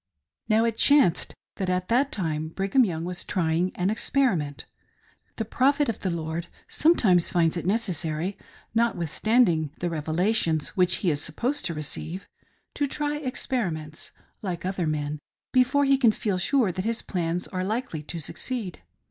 Now it chanced that at that time Brigham Young was try ing an experiment. The " Prophet of the Lord " sometimes finds it necessary — notwithstanding the "revelations" which he is supposed to receive — to try experiments like other men be fore he can feel sure that his plans are likely to succeed.